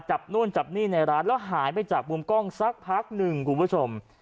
จับนู่นจับนี่ในร้านแล้วหายไปจากมุมกล้องสักพักหนึ่งคุณผู้ชม